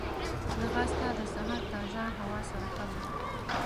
ځغاسته د سهار تازه هوا سره ښه وي